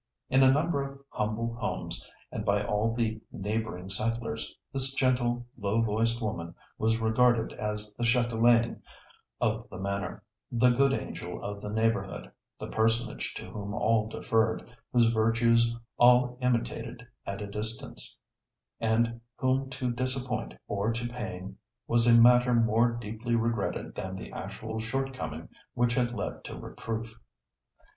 In a number of humble homes, and by all the neighbouring settlers, this gentle, low voiced woman was regarded as the châtelaine of the manor, the good angel of the neighbourhood, the personage to whom all deferred, whose virtues all imitated at a distance, and whom to disappoint or to pain was a matter more deeply regretted than the actual shortcoming which had led to reproof.